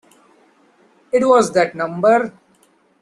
It was that number.